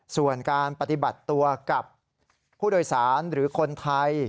ส่วนการปฏิบัติตัวกับผู้โดยสารหรือคนไทย